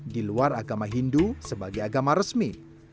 di luar agama hindu sebagai agama resmi